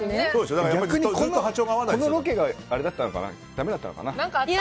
このロケがあれだったのかなだめだったのかな。